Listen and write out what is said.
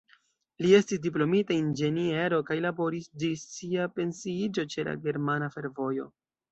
Li estis diplomita inĝeniero kaj laboris ĝis sia pensiiĝo ĉe la Germana Fervojo.